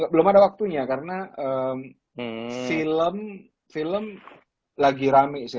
belum ada waktunya karena film lagi rame sih